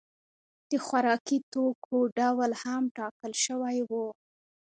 د خوراکي توکو ډول هم ټاکل شوی و.